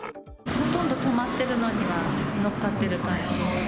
ほとんど止まってるのには、乗っかってる感じでした。